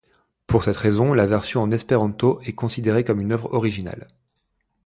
Pour cette raison, la version en espéranto est considérée comme une œuvre originale.